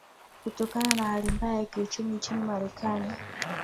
tokana na hali mbaya ya kiuchumi nchini marekani